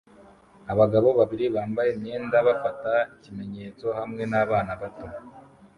Abagabo babiri bambaye imyenda bafata ikimenyetso hamwe nabana bato